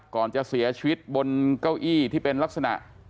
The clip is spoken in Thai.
ก่อนจะเสียชีวิตบนเก้าอี้ที่เป็นลักษณะ